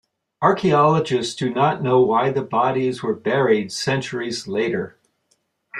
Archaeologists do not know why the bodies were buried centuries later.